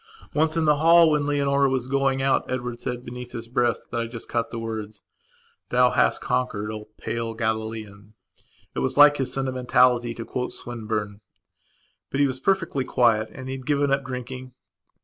Once, in the hall, when Leonora was going out, Edward said, beneath his breathbut I just caught the words: "Thou hast conquered, O pale Galilean." It was like his sentimentality to quote Swinburne. But he was perfectly quiet and he had given up drinking.